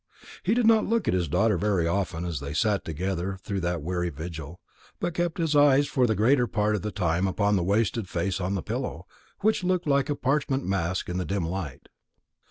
He did not look at his daughter very often as they sat together through that weary vigil, but kept his eyes for the greater part of the time upon the wasted face on the pillow, which looked like a parchment mask in the dim light.